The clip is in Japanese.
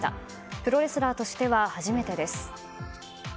プロレスラーとしては初めてです。